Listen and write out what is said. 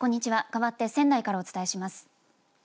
かわって仙台からお伝えします。